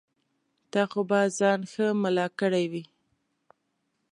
تا خو به ځان ښه ملا کړی وي.